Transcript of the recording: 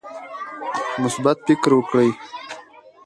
مثبت فکر وکړئ.